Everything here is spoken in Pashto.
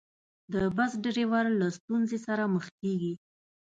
د بس ډریور له ستونزې سره مخ کېږي.